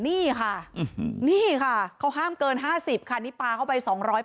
นี่ค่ะนี่ค่ะเขาห้ามเกิน๕๐ค่ะนี่ปลาเข้าไป๒๐๐